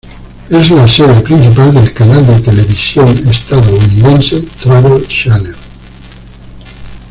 Es la sede principal del canal de televisión estadounidense Travel Channel.